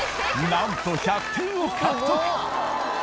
なんと１００点を獲得。